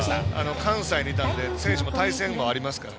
関西にいたんで選手も対戦ありますから。